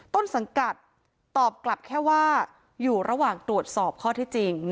ต้นสังกัดตอบกลับแค่ว่าอยู่ระหว่างตรวจสอบข้อที่จริง